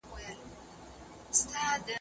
زه اوږده وخت سیر کوم!